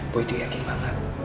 boy tuh yakin banget